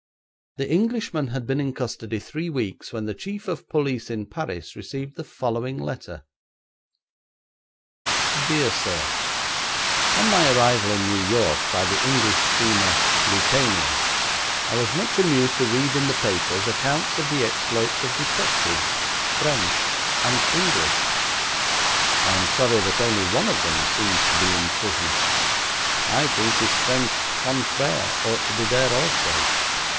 The Englishman had been in custody three weeks when the chief of police in Paris received the following letter: 'DEAR SIR, On my arrival in New York by the English steamer Lucania, I was much amused to read in the papers accounts of the exploits of detectives, French and English. I am sorry that only one of them seems to be in prison; I think his French confrère ought to be there also.